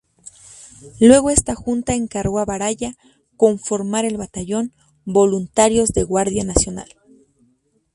Luego esta Junta encargó a Baraya conformar el Batallón “Voluntarios de Guardia Nacional".